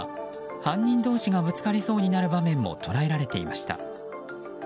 犯人同士がぶつかりそうになる場面も捉えられていました。